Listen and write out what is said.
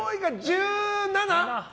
１７！